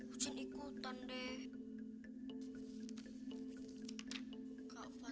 aku ikutan deh